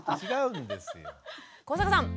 古坂さん。